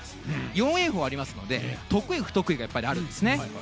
４泳法ありますので得意不得意があるんです。